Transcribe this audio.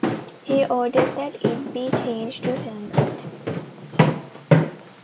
He ordered that it be changed to a helmet.